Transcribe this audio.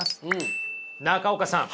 中岡さん。